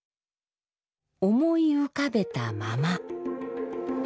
思い浮かべたまま。